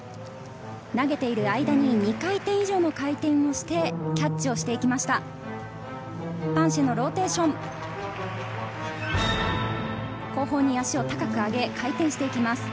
投げている間に２回転以上の回転をしてキャッチをしていきました。